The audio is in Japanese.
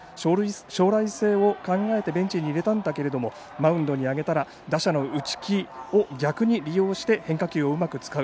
将来性を考えてベンチに入れたんだけどマウンドに上げたら打者の打ち気を逆に利用して変化球をうまく使う。